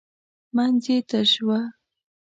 منځ یې تش و .